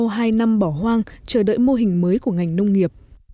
sau hai năm bỏ hoang chờ đợi mô hình mới của ngành nông nghiệp